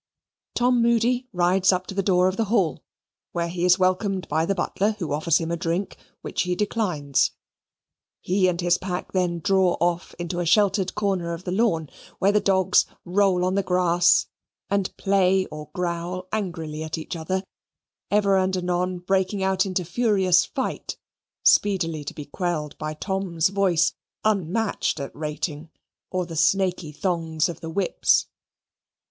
Tom Moody rides up to the door of the Hall, where he is welcomed by the butler, who offers him drink, which he declines. He and his pack then draw off into a sheltered corner of the lawn, where the dogs roll on the grass, and play or growl angrily at one another, ever and anon breaking out into furious fight speedily to be quelled by Tom's voice, unmatched at rating, or the snaky thongs of the whips.